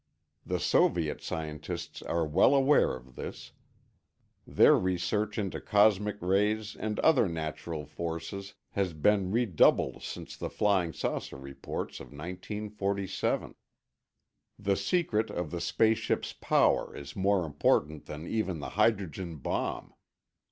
The Soviet scientists are well aware of this; their research into cosmic rays and other natural forces has been redoubled since the flying saucer reports of 1947. The secret of the space ships' power is more important than even the hydrogen bomb.